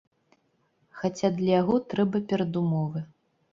Хаця для яго трэба перадумовы.